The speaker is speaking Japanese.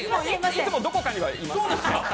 いつもどこかにはいます。